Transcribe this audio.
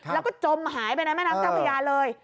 แล้วก็จมหายไปในแม่น้ำเจ้าพระยาเลย